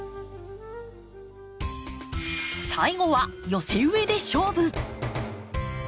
最後は寄せ植えで勝負！